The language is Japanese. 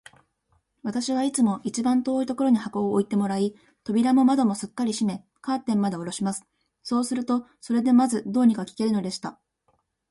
私はいつも一番遠いところに箱を置いてもらい、扉も窓もすっかり閉め、カーテンまでおろします。そうすると、それでまず、どうにか聞けるのでした。